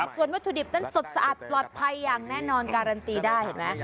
ส่วนวัตถุดิบนั้นสดสะอาดปลอดภัยอย่างแน่นอนการันตีได้เห็นไหม